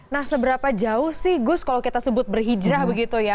nah seberapa jauh sih gus kalau kita sebut berhijrah begitu ya